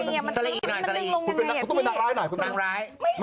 กลับมาดสิทฯแล้วแอ้น๋กมีองศา